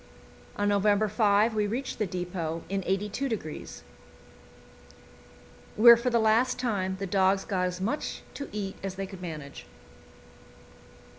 On November 5 we reached the depot in 82°, where for the last time the dogs got as much to eat as they could manage.